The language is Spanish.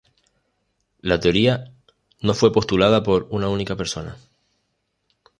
La teoría no fue postulada por una única persona.